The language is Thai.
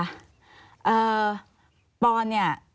อ่าพรเนี่ย